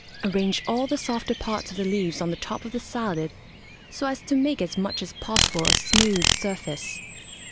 Arrange all the softer parts of the leaves on the top of the salad so as to make as much as possible a smooth surface.